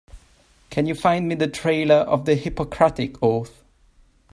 Can you find me the trailer of the Hippocratic Oath?